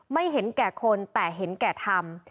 ไม่เห็นแก่คนแต่เห็นแก่ทำ